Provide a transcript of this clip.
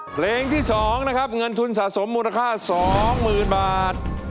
เพลงที่๒นะครับเงินทุนสะสมมูลค่า๒๐๐๐บาท